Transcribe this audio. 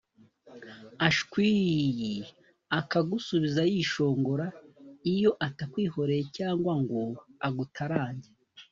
Ashwiiiii akagusubiza yishongora iyo atakwihoreye cyangwa ngo agutarange